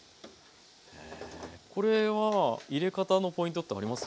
これは入れ方のポイントってあります？